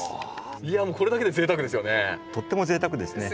いやもうこれだけでぜいたくですよね。